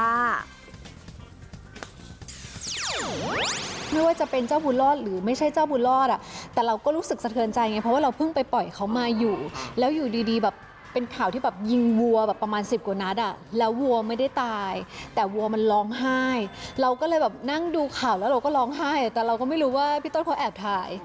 ไม่ว่าจะเป็นเจ้าบุญรอดหรือไม่ใช่เจ้าบุญรอดอ่ะแต่เราก็รู้สึกสะเทือนใจไงเพราะว่าเราเพิ่งไปปล่อยเขามาอยู่แล้วอยู่ดีดีแบบเป็นข่าวที่แบบยิงวัวแบบประมาณสิบกว่านัดอ่ะแล้ววัวไม่ได้ตายแต่วัวมันร้องไห้เราก็เลยแบบนั่งดูข่าวแล้วเราก็ร้องไห้แต่เราก็ไม่รู้ว่าพี่ต้นเขาแอบถ่าย